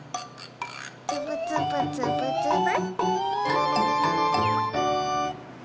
つぶつぶつぶつぶ。